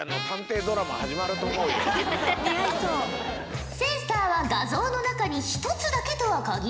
近々センサーは画像の中に１つだけとは限らんぞ。